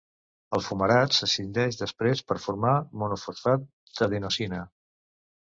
El fumarat s'escindeix després per formar monofosfat d'adenosina.